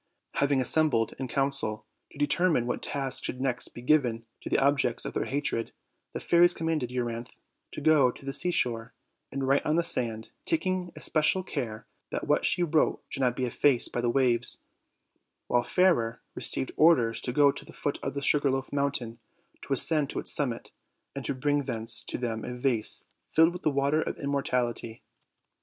Having assembled in council to determine what tasks should next be given to the objects of their hatred, the fairies commanded Euryanthe to go to the seashore and write on the sand, taking especial care that what she wrote should not be effaced by the waves; while Fairer received orders to goto the foot of the Sugar Loaf Moun tain, to ascend to its summit, and to bring thence to them a vase filled with the water of immortality.